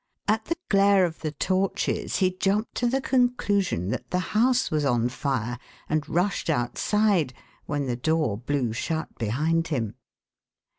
At the glare of the torches he jumped to the conclusion that the house was on fire and rushed outside, when the door blew shut behind him.